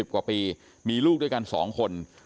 กว่าปีมีลูกด้วยกัน๒คน